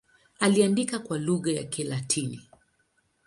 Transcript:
Aliandika kwa lugha ya Kilatini.